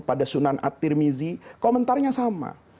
pada sunan at tirmizi komentarnya sama